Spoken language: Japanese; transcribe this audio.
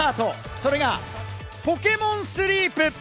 それがポケモンスリープ。